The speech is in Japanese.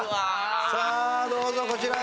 さあどうぞこちらへ。